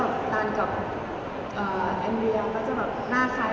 ก็อย่างที่เห็นกั้น